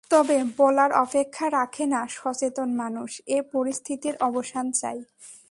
তবে বলার অপেক্ষা রাখে না সচেতন মানুষ এ পরিস্থিতির অবসান চায়।